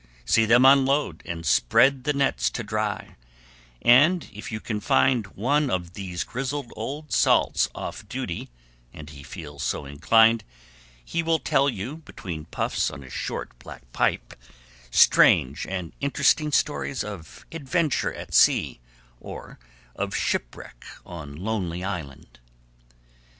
See them unload, and spread the nets to dry, and if you can find one of these grizzled old salts off duty, and he feels so inclined, he will tell you (between puffs on his short, black pipe) strange and interesting stories of adventure at sea or of shipwreck on lonely island.